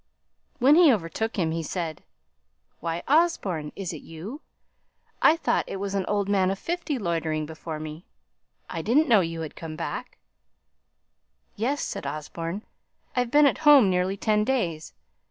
When he overtook him he said, "Why, Osborne, is it you? I thought it was an old man of fifty loitering before me! I didn't know you had come back." [Illustration: "WHY, OSBORNE, IS IT YOU?"] "Yes," said Osborne, "I've been at home nearly ten days.